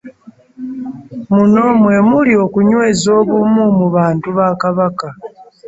Muno mwe muli okunyweza obumu mu bantu ba Kabaka